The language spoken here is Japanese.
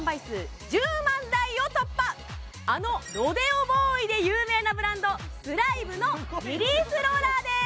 あのロデオボーイで有名なブランドスライヴのリリースローラーです